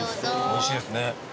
おいしいですね。